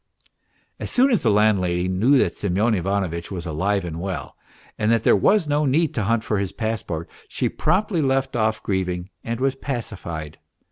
265 MR. PROHARTCHIN As soon as the landlady knew that Semyon Ivanovitch was alive and well, and that there was no need to hunt for his passport, she promptly left off grieving and was pacified.